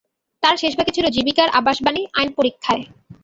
তার শেষভাগে ছিল জীবিকার আশ্বাসবাণী আইনপরীক্ষায়।